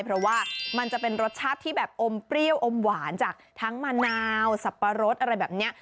เพราะว่ามันจะเป็นรสชาติที่แบบอมเปรี้ยวอมหวานจากทั้งมะนาวสับปะรดอะไรแบบนี้